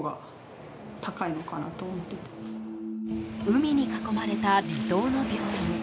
海に囲まれた離島の病院。